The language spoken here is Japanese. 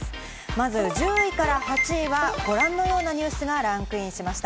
まず１０位から８位はご覧のようなニュースがランクインしました。